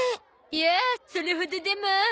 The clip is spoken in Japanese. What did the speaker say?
いやあそれほどでも。